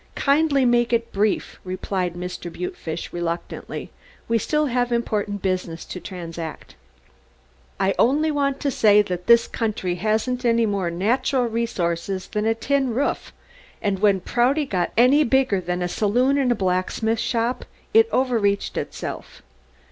"Kindly make it brief," replied Mr. Butefish reluctantly. "We still have important business to transact." "I only want to say that this country hasn't any more natural resources than a tin roof and when Prouty got any bigger than a saloon and a blacksmith shop it overreached itself."